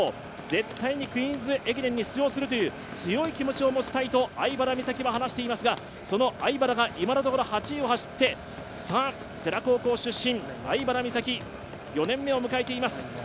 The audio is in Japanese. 絶対にクイーンズ駅伝に出場するという強い気持ちを持ちたいと相原美咲話していますが、その相原が今のところ８位を走って世羅高校出身の相原美咲、４年目を迎えています。